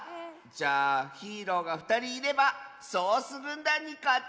じゃあヒーローがふたりいればソースぐんだんにかてるよ！